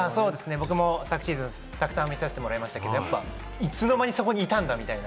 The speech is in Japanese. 僕も昨シーズン、たくさん見させていただきましたが、いつの間にそこにいたんだと。